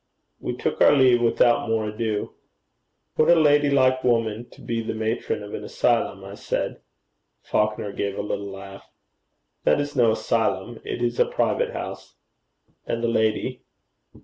We took our leave without more ado. 'What a lady like woman to be the matron of an asylum!' I said. Falconer gave a little laugh. 'That is no asylum. It is a private house.' 'And the lady?'